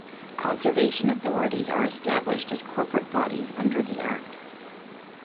Conservation authorities are established as corporate bodies under the Act.